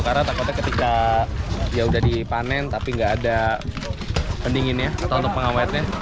karena takutnya ketika ya sudah dipanen tapi nggak ada pendinginnya atau untuk pengawetnya